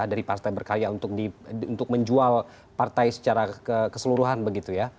dari partai berkarya untuk menjual partai secara keseluruhan begitu ya